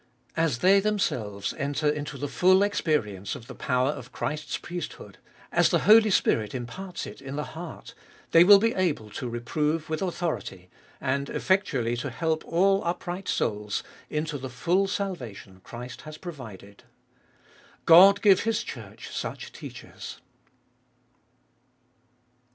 As they themselves enter into the full experience of the power of Christ's priesthood, as the Holy Spirit imparts it in the heart, they will be able to reprove with authority, and effectually to help all upright souls into the full salvation Christ has pro vided. God give His Church such teachers.